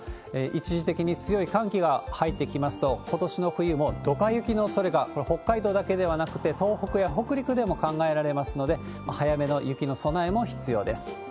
一時的に強い寒気が入ってきますと、ことしの冬もドカ雪のおそれが、これ、北海道だけではなくて、東北や北陸でも考えられますので、早めの雪の備えも必要です。